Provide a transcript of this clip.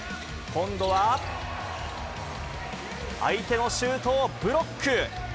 今度は、相手のシュートをブロック。